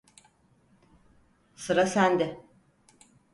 Sıra sende.